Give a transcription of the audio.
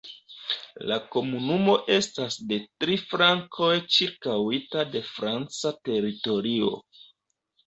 La komunumo estas de tri flankoj ĉirkaŭita de franca teritorio.